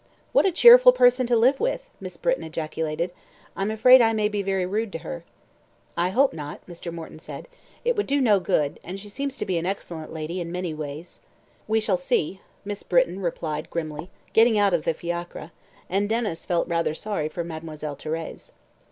"What a cheerful person to live with!" Miss Britton ejaculated. "I'm afraid I may be very rude to her." "I hope not," Mr. Morton said. "It would do no good, and she seems to be an excellent lady in many ways." "We shall see!" Miss Britton replied grimly, getting out of the fiacre; and Denys felt rather sorry for Mademoiselle Thérèse.